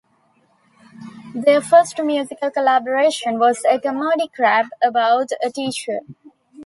Their first musical collaboration was a comedic rap about a teacher.